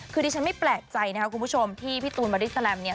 คือดิฉันไม่แปลกใจนะครับคุณผู้ชมที่พี่ตูนบอดี้แลมเนี่ย